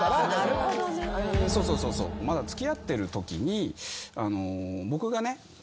まだ付き合ってるときに僕がね。